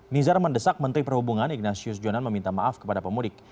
nizar mendesak menteri perhubungan ignatius jonan meminta maaf kepada pemudik